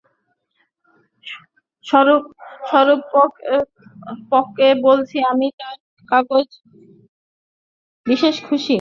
স্বরূপকে বলবি, আমি তার কাগজ চালানোতে বিশেষ খুশী।